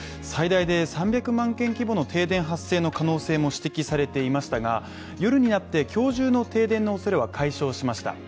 最大で３００万軒規模の停電の発生の可能性も指摘されていましたが夜になって、今日中の停電のおそれは解消しました。